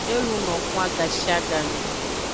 E luno xwan gashiagame.